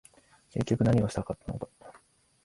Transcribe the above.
結局何をしたかったのか